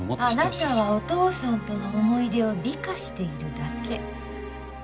あなたはお父さんとの思い出を美化しているだけ。